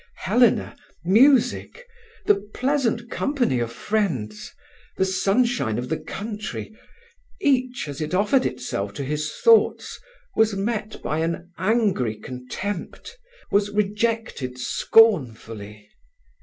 Helena, music, the pleasant company of friends, the sunshine of the country, each, as it offered itself to his thoughts, was met by an angry contempt, was rejected scornfully.